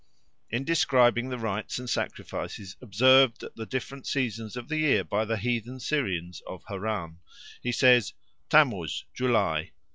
In describing the rites and sacrifices observed at the different seasons of the year by the heathen Syrians of Harran, he says: "Tammuz (July).